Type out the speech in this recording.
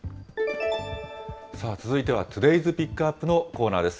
さあ、続いてはトゥデイズ・ピックアップのコーナーです。